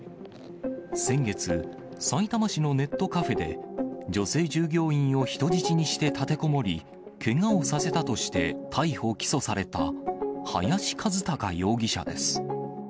先月、さいたま市のネットカフェで、女性従業員を人質にして立てこもり、けがをさせたとして逮捕・起訴された、林一貴容疑者です。